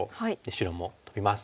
白もトビます。